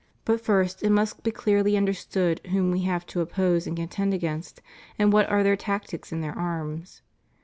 But first it must be clearly understood whom we have to oppose and contend against, and what are their tactics and their arms.